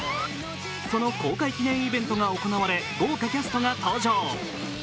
その公開記念イベントが行われ、豪華キャストが登場。